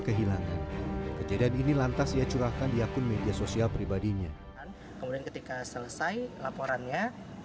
kehilangan kejadian ini lantas ia curahkan di akun media sosial pribadinya kemudian ketika selesai laporannya